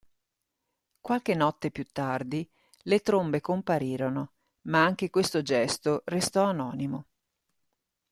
Qualche notte più tardi le trombe comparirono ma anche questo gesto restò anonimo.